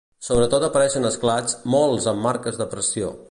Sobretot apareixen esclats, molts amb marques de pressió.